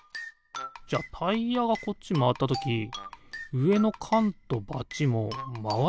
じゃタイヤがこっちまわったときうえのかんとバチもまわっちゃいそうだよね。